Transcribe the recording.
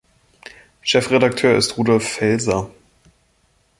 Chefredakteur ist Rudolf Felser.